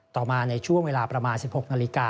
ต่อมาในช่วงเวลาประมาณ๑๖นาฬิกา